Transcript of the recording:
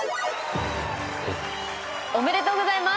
おめでとうございます！